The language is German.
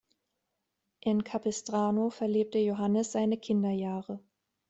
In Capestrano verlebte Johannes seine Kinderjahre.